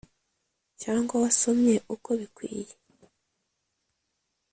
cyangwa wasomye uko bikwiye